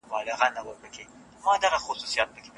د تیزس بشپړول د شاګرد دنده ده.